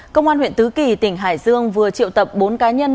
công an huyện tứ kỳ tỉnh hải dương vừa triệu tập bốn cá nhân